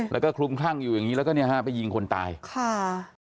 แล้วก็คลุมคลั่งอยู่อย่างงี้แล้วก็เนี่ยฮะไปยิงคนตายค่ะ